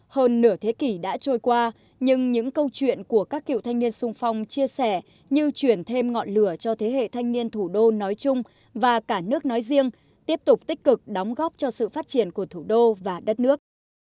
hơn nửa thế kỷ đã trôi qua nhưng những câu chuyện của các cựu thanh niên sung phong chia sẻ như chuyển thêm ngọn lửa cho thế hệ thanh niên thủ đô nói chung và cả nước nói riêng tiếp tục tích cực đóng góp cho sự phát triển của thủ đô và đất nước